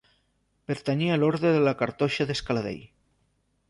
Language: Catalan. Pertanyia a l'Orde de la Cartoixa d'Escaladei.